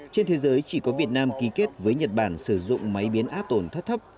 trên thế giới chỉ có việt nam ký kết với nhật bản sử dụng máy biến áp tổn thất thấp